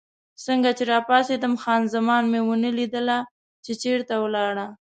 څنګه چې راپاڅېدم، خان زمان مې ونه لیدله، چې چېرې ولاړه.